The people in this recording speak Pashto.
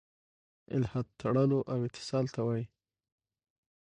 الحاد تړلو او اتصال ته وايي.